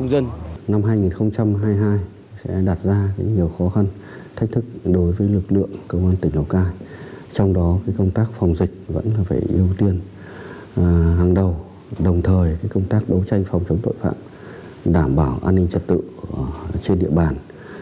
năm hai nghìn hai mươi hai sẽ đạt ra nhiều khó khăn thách thức đối với lực lượng công an tỉnh lào cai trong đó công tác phòng dịch vẫn là phải ưu tiên hàng đầu đồng thời công tác đấu tranh phòng chống tội phạm đảm bảo an ninh trật tự trên địa bàn